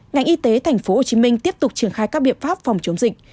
ngành y tế tp hcm tiếp tục triển khai các biện pháp phòng chống dịch